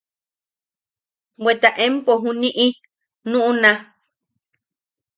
–Bwe empo juniʼi nuʼuna.